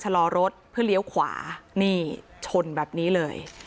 ชะลอรถเพื่อเลี้ยวขวานี่ชนแบบนี้เลย